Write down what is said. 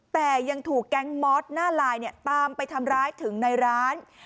แต่ยังถูกแก๊งมอสหน้าลายตามไปทำร้ายถึงในร้าน